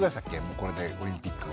これでオリンピックは。